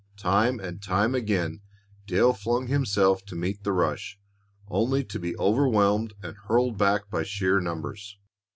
Time and time again Dale flung himself to meet the rush, only to be overwhelmed and hurled back by sheer numbers.